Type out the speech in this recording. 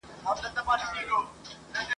په مرګ به یې زما په څېر خواشینی سوی وي !.